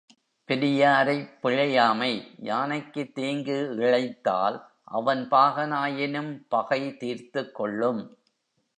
பெரியாரைப் பிழையாமை யானைக்குத் தீங்கு இழைத்தால் அவன் பாகனாயினும் பகை தீர்த்துக் கொள்ளும்.